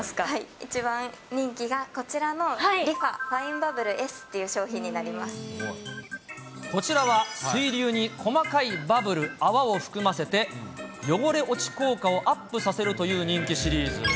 一番人気がこちらのリファファインバブルＳという商品になりこちらは、水流に細かいバブル、泡を含ませて、汚れ落ち効果をアップさせるという人気シリーズ。